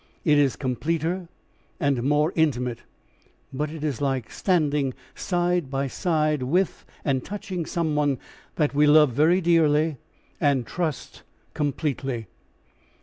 It is completer and more intimate, but it is like standing side by side with and touching someone that we love very dearly and trust completely.